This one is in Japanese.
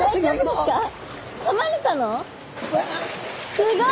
すごい！